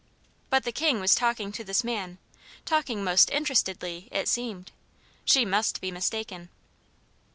But the King was talking to this man talking most interestedly, it seemed. She must be mistaken!